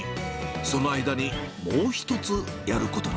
その間にもう一つやることが。